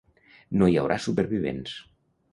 No hi haurà supervivents.